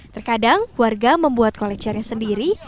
terkadang warga membuat kolecernya sendiri